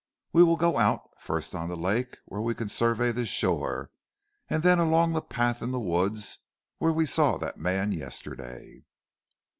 "We will go out, first on the lake where we can survey the shore; and then along the path in the woods where we saw that man yesterday."